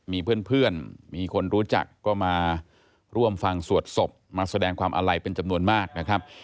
มีเพื่อนมีคนรู้จักก็มาร่วมฟังสวดศพมาแสดงความอาลัยเป็นจำนวนมากนะครับ